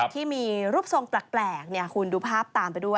ที่มีรูปทรงแปลกคุณดูภาพตามไปด้วย